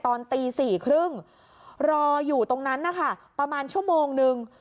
ตอนตี๔๓๐รออยู่ตรงนั้นนะคะประมาณชั่วโมงนึง